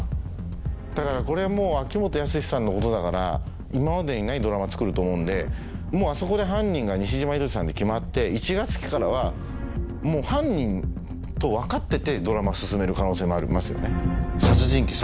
だからこれはもう秋元康さんのことだから今までにないドラマつくると思うんであそこで犯人が西島さんに決まって１月期からはもう犯人と分かっててドラマ進める可能性もありますよね。